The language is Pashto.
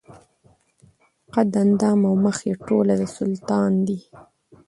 قد اندام او مخ یې ټوله د سلطان دي